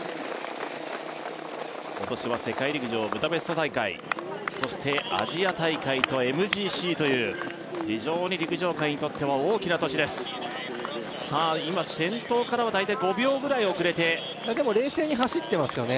今年は世界陸上ブダペスト大会そしてアジア大会とＭＧＣという非常に陸上界にとっても大きな年ですさあ今先頭からは大体５秒ぐらい遅れてでも冷静に走ってますよね